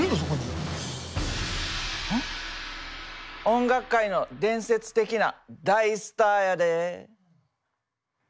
音楽界の伝説的な大スターやで。